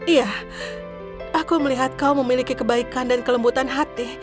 iya aku melihat kau memiliki kebaikan dan kelembutan hati